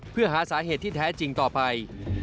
เพื่อหาสาเหตุที่แท้จริงต่อไป